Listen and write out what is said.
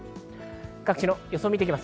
各地の予想を見ていきます。